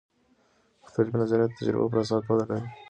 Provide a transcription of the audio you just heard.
مختلف نظریات د تجربو پراساس وده لري.